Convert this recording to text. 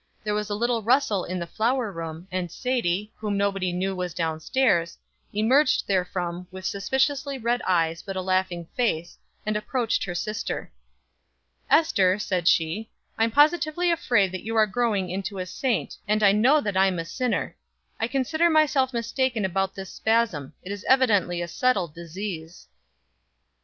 There was a little rustle in the flour room, and Sadie, whom nobody knew was down stairs, emerged therefrom with suspiciously red eyes but a laughing face, and approached her sister. "Ester," said she, "I'm positively afraid that you are growing into a saint, and I know that I'm a sinner. I consider myself mistaken about the spasm it is evidently a settled disease."